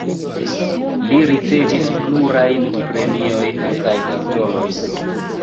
Li ricevis plurajn premiojn kaj titolojn.